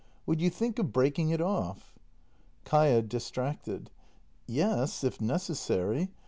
Would you think of breaking it off? Kaia. [Distracted.] Yes, if necessary.